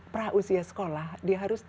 prausia sekolah dia harus